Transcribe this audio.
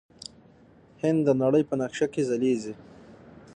هند د نړۍ په نقشه کې ځلیږي.